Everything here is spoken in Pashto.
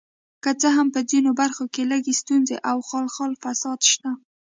که څه هم په ځینو برخو کې لږې ستونزې او خال خال فساد شته.